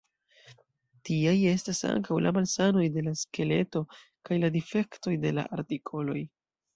Tiaj estas ankaŭ la malsanoj de la skeleto, kaj la difektoj de la artikoloj.